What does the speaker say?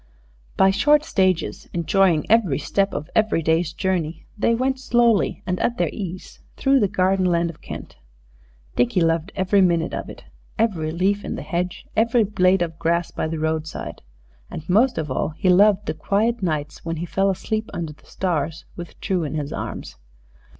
By short stages, enjoying every step of every day's journey, they went slowly and at their ease through the garden land of Kent. Dickie loved every minute of it, every leaf in the hedge, every blade of grass by the roadside. And most of all he loved the quiet nights when he fell asleep under the stars with True in his arms.